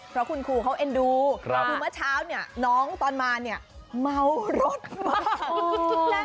เพราะคุณครูเขาเอ็นดูคือเมื่อเช้าเนี่ยน้องตอนมาเนี่ยเมารถมาก